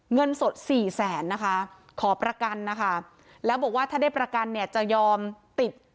เงินสดสี่แสนนะคะขอประกันนะคะแล้วบอกว่าถ้าได้ประกันเนี่ยจะยอมติด